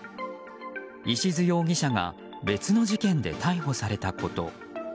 石津容疑者が別の事件で逮捕されたこと。